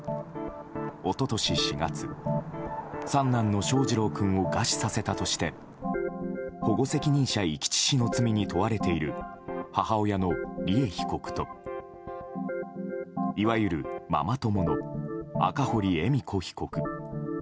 一昨年４月、三男の翔士郎君を餓死させたとして保護責任者遺棄致死の罪に問われている母親の利恵被告といわゆるママ友の赤堀恵美子被告。